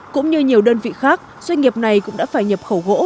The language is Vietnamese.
cũng như nhiều đơn vị khác doanh nghiệp này cũng đã phải nhập khẩu gỗ